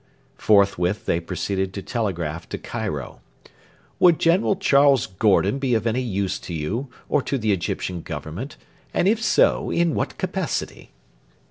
Forthwith they proceeded to telegraph to Cairo: 'Would General Charles Gordon be of any use to you or to the Egyptian Government; and, if so, in what capacity'?